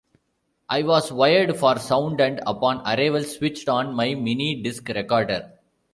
I was wired for sound and upon arrival switched on my mini-disc recorder.